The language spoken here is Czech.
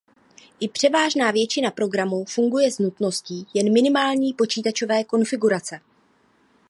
I převážná většina programů funguje s nutností jen minimální počítačové konfigurace.